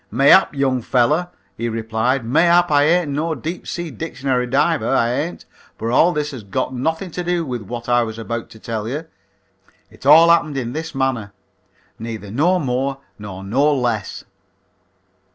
"Mayhap, young feller," he replied, "mayhap. I ain't no deep sea dictionary diver, I ain't, but all this has got nothing to do with what I was about to tell you. It all happened after this manner, neither no more nor no less."